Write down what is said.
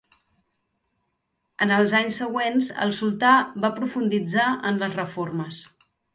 En els anys següents el sultà va profunditzar en les reformes.